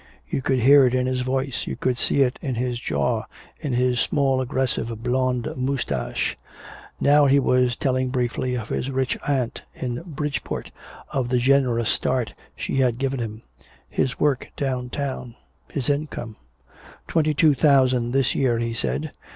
You could hear it in his voice; you could see it in his jaw, in his small aggressive blonde moustache. Now he was telling briefly of his rich aunt in Bridgeport, of the generous start she had given him, his work downtown, his income. "Twenty two thousand this year," he said.